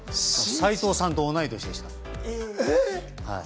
斉藤さんと同じ年でした。